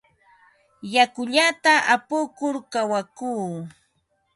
Yakullata upukur kawakuu.